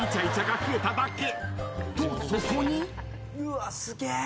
［とそこに］